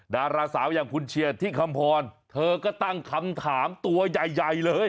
ดาราสาวอย่างคุณเชียร์ที่คำพรเธอก็ตั้งคำถามตัวใหญ่เลย